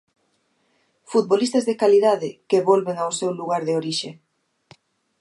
Futbolistas de calidade que volven ao seu lugar de orixe.